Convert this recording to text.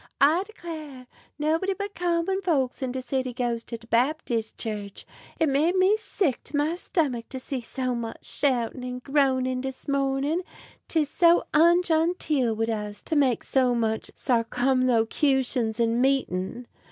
I declar' nobody but common folks in de city goes to de Babtiss Church. It made me sick 't my stomuck to see so much shoutin' and groanin' dis mornin'; 'tis so ungenteel wid us to make so much sarcumlocutions in meetin'."